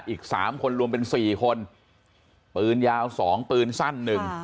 อีก๓คนรวมเป็น๔คนปืนยาว๒ปืนสั้นหนึ่ง